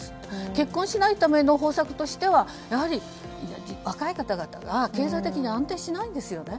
結婚しないための方策としてはやはり若い方々が経済的に安定しないんですよね。